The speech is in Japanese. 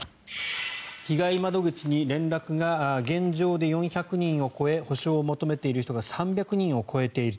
被害窓口に連絡が現状で４００人を超え補償を求めている人が３００人を超えている。